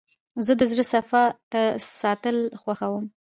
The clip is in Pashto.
زه د زړه صفا ساتل خوښوم.